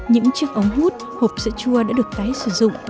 những chiếc ống hút hộp sữa chua đã được tái sử dụng